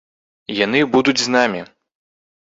Яны будуць з намі.